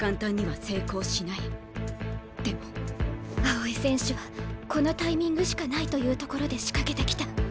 青井選手はこのタイミングしかないというところで仕掛けてきた。